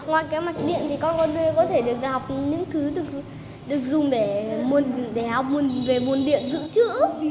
ngoài cái mạch điện thì con có thể được học những thứ được dùng để học về nguồn điện dự trữ